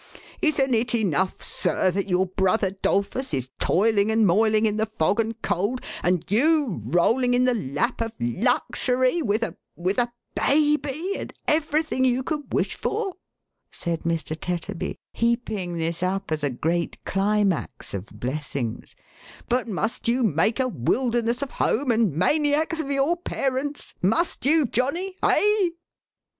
Isn't it enough, sir, that your brother 'Dolphus is toiling and moiling in the fog and cold, and you rolling in the lap of luxury with a — with a baby, and everything you can wish for," said Mr. Tetterby, heaping this up as a great climax of blessings, " but must you make a wilderness of home, and maniacs of your parents? Must you, Johnny ? Hey